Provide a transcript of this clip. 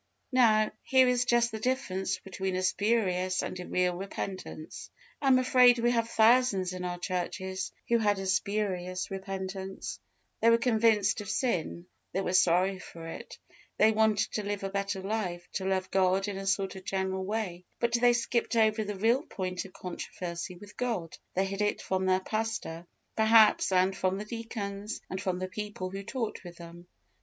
Now, here is just the difference between a spurious and a real repentance. I am afraid we have thousands in our churches who had a spurious repentance: they were convinced of sin they were sorry for it; they wanted to live a better life, to love God in a sort of general way; but they skipped over the real point of controversy with God; they hid it from their pastor, perhaps, and from the deacons, and from the people who talked with them.